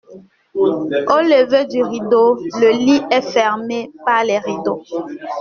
Au lever du rideau, le lit est fermé par les rideaux.